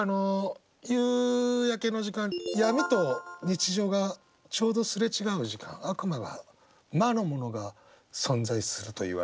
夕焼けの時間闇と日常がちょうど擦れ違う時間悪魔が魔の者が存在するといわれる魔時。